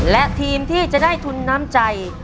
และทีมที่จะได้ทุนน้ำใจ